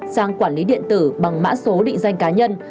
sang quản lý điện tử bằng mã số định danh cá nhân